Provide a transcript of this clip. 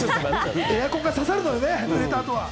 エアコンがささるのよね。